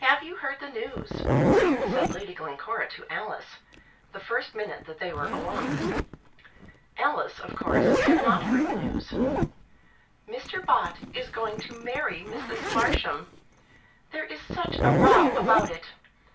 "Have you heard the news?" said Lady Glencora to Alice, the first minute that they were alone. Alice, of course, had not heard the news. "Mr. Bott is going to marry Mrs. Marsham. There is such a row about it.